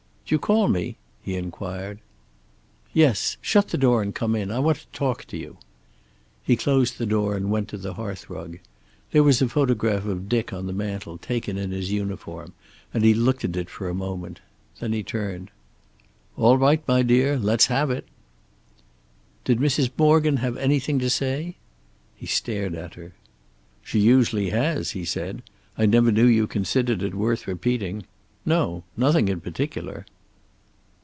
"D'you call me?" he inquired. "Yes. Shut the door and come in. I want to talk to you." He closed the door and went to the hearth rug. There was a photograph of Dick on the mantel, taken in his uniform, and he looked at it for a moment. Then he turned. "All right, my dear. Let's have it." "Did Mrs. Morgan have anything to say?" He stared at her. "She usually has," he said. "I never knew you considered it worth repeating. No. Nothing in particular."